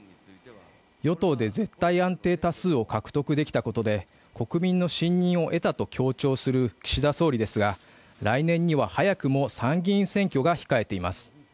与党で絶対安定多数を獲得できたことで国民の信任を得たと強調する岸田総理ですが来年には早くも参議院選挙が控えています。